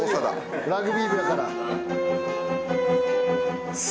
ラグビー部やから。